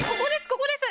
ここです！